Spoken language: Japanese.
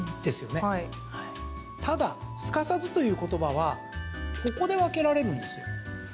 ただすかさずという言葉はここで分けられるんですよ。